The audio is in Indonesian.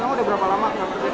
kamu udah berapa lama